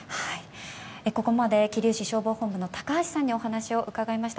ここまで桐生市消防本部の高橋さんにお話を伺いました。